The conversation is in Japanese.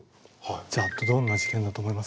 じゃあどんな事件だと思いますか？